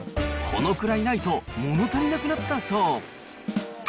このくらいないと、もの足りなくなったそう。